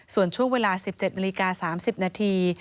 ส่วนช่วงเวลา๑๗นาฬิกา๓๐นาที